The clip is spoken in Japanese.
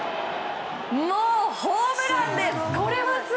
もうホームランです！